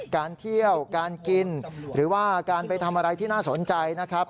การเที่ยวการกินหรือว่าการไปทำอะไรที่น่าสนใจนะครับ